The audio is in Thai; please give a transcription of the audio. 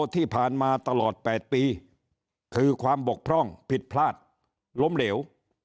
ที่ผ่านมาตลอด๘ปีคือความบกพร่องผิดพลาดล้มเหลว